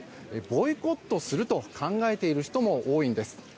ボイコットすると考えている人も多いんです。